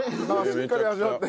しっかり味わって。